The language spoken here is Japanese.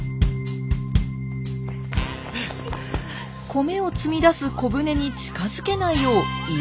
米を積み出す小舟に近づけないよう威圧したり。